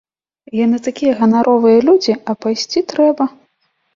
Яны такія ганаровыя людзі, а пайсці трэба.